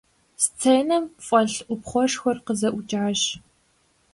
Сценэм фӀэлъ Ӏупхъуэшхуэр къызэӀукӀащ.